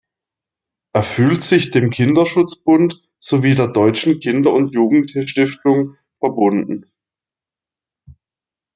Er fühlt sich dem Kinderschutzbund sowie der Deutschen Kinder- und Jugendstiftung verbunden.